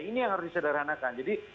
ini yang harus disederhanakan jadi